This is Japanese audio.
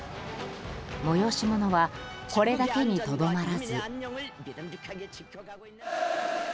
催し物はこれだけにとどまらず。